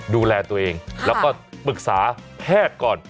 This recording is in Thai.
ดูแลตัวเองแล้วก็ปรึกษาแพทย์ก่อน